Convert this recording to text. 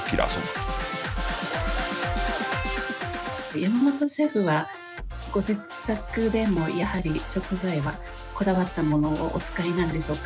山本シェフはご自宅でもやはり食材はこだわったものをお使いなんでしょうか？